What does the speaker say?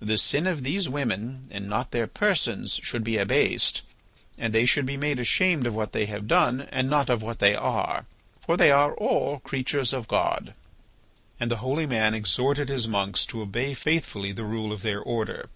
The sin of these women and not their persons should be abased, and they should be made ashamed of what they have done and not of what they are, for they are all creatures of God." And the holy man exhorted his monks to obey faithfully the rule of their order.